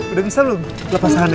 udah bisa lu lepas tangannya